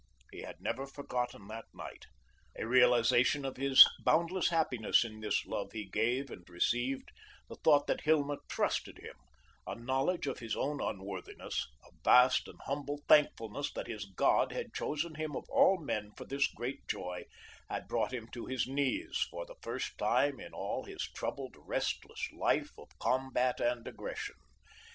He had never forgotten that night. A realization of his boundless happiness in this love he gave and received, the thought that Hilma TRUSTED him, a knowledge of his own unworthiness, a vast and humble thankfulness that his God had chosen him of all men for this great joy, had brought him to his knees for the first time in all his troubled, restless life of combat and aggression.